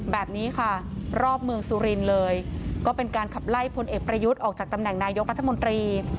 แบบนี้ค่ะรอบเมืองสุรินทร์เลยก็เป็นการขับไล่พลเอกประยุทธ์ออกจากตำแหน่งนายกรัฐมนตรี